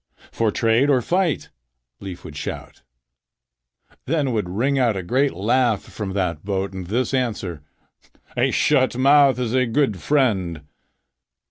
"For trade or fight?" Leif would shout. Then would ring out a great laugh from that boat and this answer: "A shut mouth is a good friend."